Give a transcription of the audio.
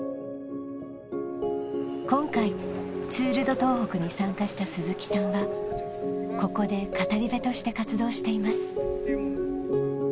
今回ツール・ド・東北に参加した鈴木さんはここで語り部として活動しています